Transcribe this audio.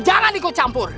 jangan ikut campur